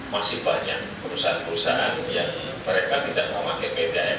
masih banyak perusahaan perusahaan yang mereka tidak memakai pdm